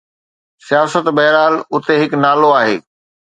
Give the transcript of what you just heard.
سياست؛ بهرحال، اتي هڪ نالو آهي.